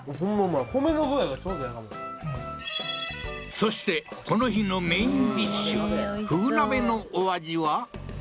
そしてこの日のメインディッシュ河豚鍋のお味は？